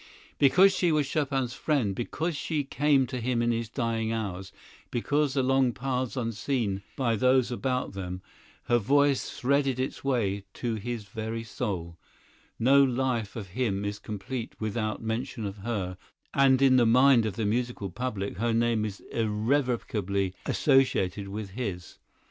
Because she was Chopin's friend, because she came to him in his dying hours, because along paths unseen by those about them her voice threaded its way to his very soul, no life of him is complete without mention of her, and in the mind of the musical public her name is irrevocably associated with his.